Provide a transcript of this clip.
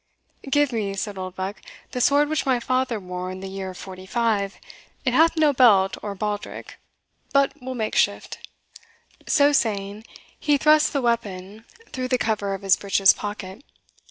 "Give me," said Oldbuck, "the sword which my father wore in the year forty five it hath no belt or baldrick but we'll make shift." So saying he thrust the weapon through the cover of his breeches pocket.